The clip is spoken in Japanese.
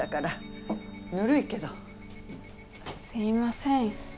すいません。